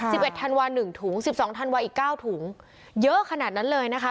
สิบเอ็ดธันวาหนึ่งถุงสิบสองธันวาอีกเก้าถุงเยอะขนาดนั้นเลยนะคะ